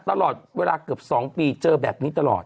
ตลอดเวลาเกือบ๒ปีเจอแบบนี้ตลอด